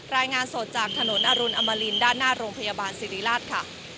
รายงานสดจากถนนอรุณอมรินด้านหน้าโรงพยาบาลสิริราชค่ะ